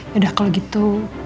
yaudah kalau gitu